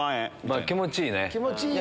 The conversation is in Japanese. まぁ気持ちいいね。